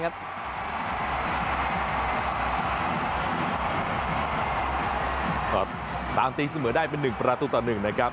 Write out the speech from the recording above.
ครับตามตีเสมอได้เป็นหนึ่งประตูต่อหนึ่งนะครับ